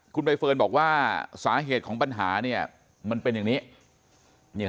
คุณใบเฟิร์นบอกว่าสาเหตุของปัญหาเนี่ยมันเป็นอย่างนี้